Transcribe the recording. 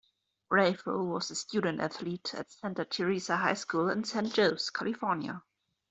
Bravo was a student-athlete at Santa Teresa High School in San Jose, California.